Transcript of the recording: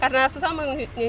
karena susah menggunakan